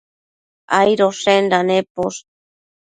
Aidoshenda neposh